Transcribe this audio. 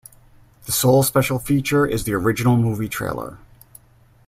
The sole special feature is the original movie trailer.